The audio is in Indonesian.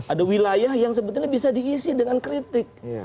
ada wilayah yang sebetulnya bisa diisi dengan kritik